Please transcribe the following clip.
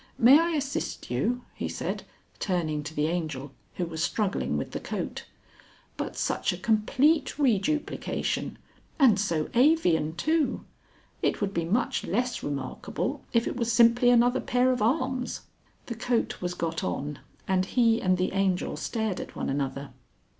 May I assist you?" he said, turning to the Angel who was struggling with the coat. "But such a complete reduplication, and so avian, too! It would be much less remarkable if it was simply another pair of arms." The coat was got on and he and the Angel stared at one another.